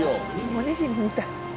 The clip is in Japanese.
おにぎりみたい。